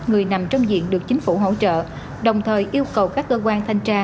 người nằm trong diện được chính phủ hỗ trợ đồng thời yêu cầu các cơ quan thanh tra